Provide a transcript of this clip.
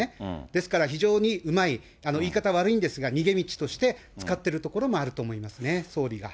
ですから、非常にうまい、言い方悪いんですが、逃げ道として使ってるところもあると思いますね、総理が。